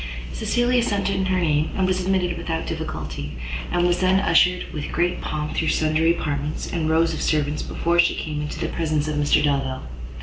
Cecilia sent in her name and was admitted without difficulty, and was then ushered with great pomp through sundry apartments, and rows of servants, before she came into the presence of Mr Delvile.